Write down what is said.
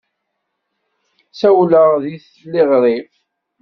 Ssawleɣ deg tliɣri.